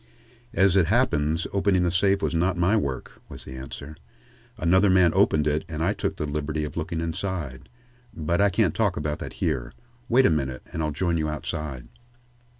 "As it happens opening the safe was not my work," was the answer. "Another man opened it and I took the liberty of looking inside. But I can't talk about that here. Wait a minute and I'll join you outside."